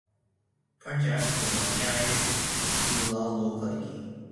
Pacha is the nearest rural locality.